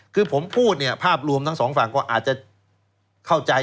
คือผมพูดเนี่ยภาพรวมทั้งสองฝั่งก็อาจจะเข้าใจ